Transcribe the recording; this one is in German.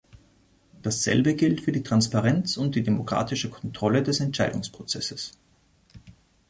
Dasselbe gilt für die Transparenz und die demokratische Kontrolle des Entscheidungsprozesses.